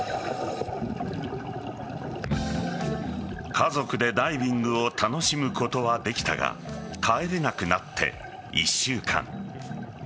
家族でダイビングを楽しむことはできたが帰れなくなって１週間。